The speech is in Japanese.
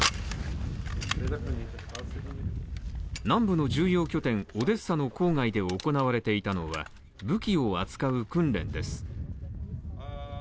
南部の重要拠点、オデッサの郊外で行われていたのは武器を扱う訓練です。